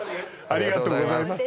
ありがとうございます